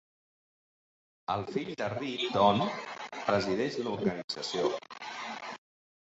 El fill de Reed, Don, presideix l'organització.